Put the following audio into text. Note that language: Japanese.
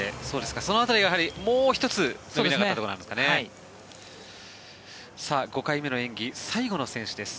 その辺りがもう１つ伸びなかったところなんですか。